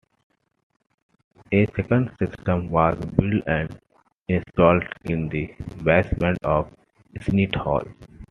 A second system was built and installed in the basement of Sneed Hall.